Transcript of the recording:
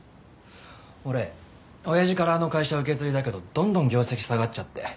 俺親父からあの会社受け継いだけどどんどん業績下がっちゃって。